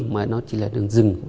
mà nó chỉ là đường rừng